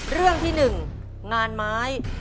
เรื่องที่๑งานไม้